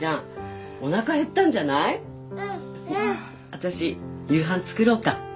私夕飯作ろうか？